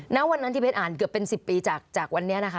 ณวันนั้นที่เพชรอ่านเกือบเป็น๑๐ปีจากวันนี้นะคะ